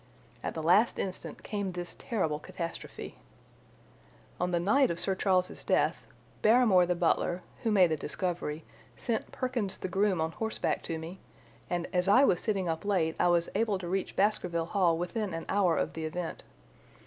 At the last instant came this terrible catastrophe. "On the night of Sir Charles's death Barrymore the butler, who made the discovery, sent Perkins the groom on horseback to me, and as I was sitting up late I was able to reach Baskerville Hall within an hour of the event.